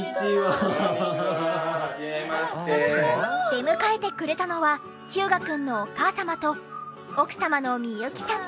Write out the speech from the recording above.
出迎えてくれたのは日向くんのお母様と奥様の美幸さん。